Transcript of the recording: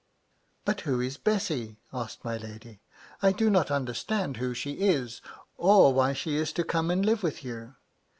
" But who is Bessy ?" asked my lady. " I do not understand who she is, or why she is to come and live with you.